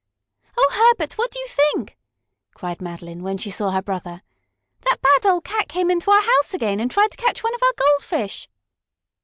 "Oh, Herbert! what do you think?" cried Madeline, when she saw her brother. "That bad old cat came into our house again, and tried to catch one of our goldfish!"